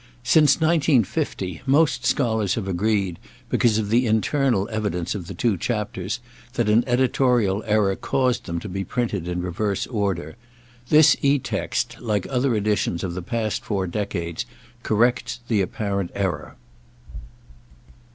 Since 1950, most scholars have agreed, because of the internal evidence of the two chapters, that an editorial error caused them to be printed in reverse order. This Etext, like other editions of the past four decades, corrects the apparent error.